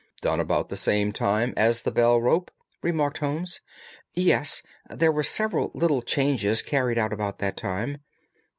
"Done about the same time as the bell rope?" remarked Holmes. "Yes, there were several little changes carried out about that time."